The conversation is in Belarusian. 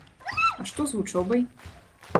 А што з вучобай?